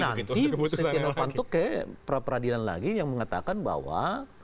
nanti sitianopanto ke peradilan lagi yang mengatakan bahwa